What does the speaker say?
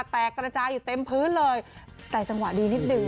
กระจายอยู่เต็มพื้นเลยแต่จังหวะดีนิดนึง